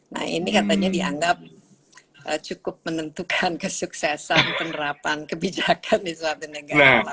nah ini katanya dianggap cukup menentukan kesuksesan penerapan kebijakan di suatu negara